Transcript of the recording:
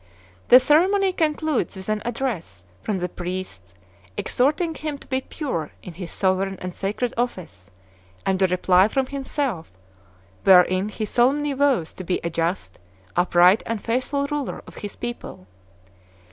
The ceremony concludes with an address from the priests, exhorting him to be pure in his sovereign and sacred office; and a reply from himself, wherein he solemnly vows to be a just, upright, and faithful ruler of his people.